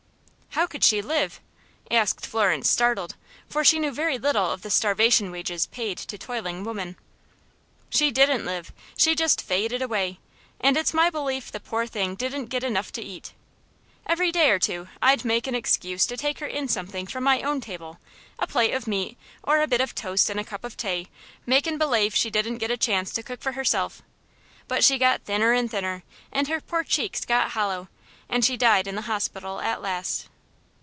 "How could she live?" asked Florence, startled, for she knew very little of the starvation wages paid to toiling women. "She didn't live. She just faded away, and it's my belief the poor thing didn't get enough to eat. Every day or two I'd make an excuse to take her in something from my own table, a plate of meat, or a bit of toast and a cup of tay, makin' belave she didn't get a chance to cook for herself, but she got thinner and thinner, and her poor cheeks got hollow, and she died in the hospital at last."